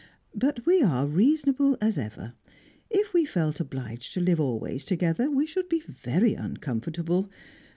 But we are reasonable as ever. If we felt obliged to live always together, we should be very uncomfortable.